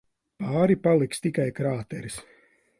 Pāri paliks tikai krāteris.